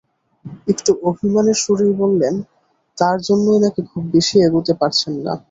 একটু অভিমানের সুরেই বললেন, তাঁর জন্যই নাকি খুব বেশি এগোতে পারছেন না।